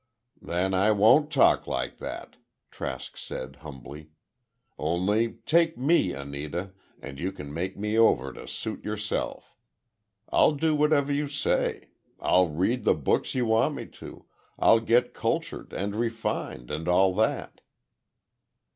"Then I won't talk like that," Trask said, humbly. "Only take me, Anita, and you can make me over to suit yourself. I'll do whatever you say. I'll read the books you want me to, I'll get cultured and refined—and all that."